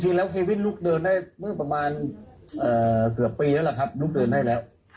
จริงแล้วเควินลุกเดินได้เมื่อประมาณเกือบปีแล้วล่ะครับลุกเดินได้แล้ว